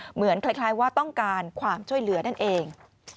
เหมือนคล้ายว่าต้องการความช่วยเหลือนั่นเอง